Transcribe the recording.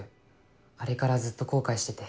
あれからずっと後悔してて。